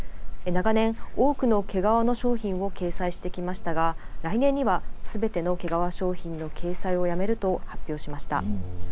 長年、多くの毛皮の商品を掲載してきましたが来年にはすべての毛皮商品の掲載をやめると発表しました。